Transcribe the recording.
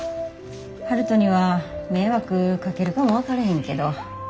悠人には迷惑かけるかも分かれへんけど。